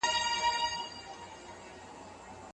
آیا ستاسو په نظر پښتون یو زړور انسان دی؟